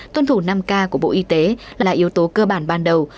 tuân thủ năm k của bộ y tế là yếu tố cơ bản ban đầu